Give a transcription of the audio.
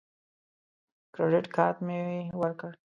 کریډټ کارت مې ورکړ.